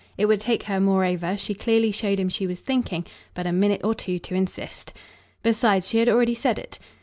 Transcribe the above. It would take her moreover, she clearly showed him she was thinking, but a minute or two to insist. Besides, she had already said it.